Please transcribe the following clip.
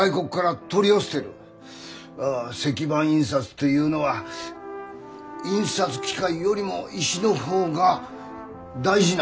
あ石版印刷というのは印刷機械よりも石の方が大事なんだよ。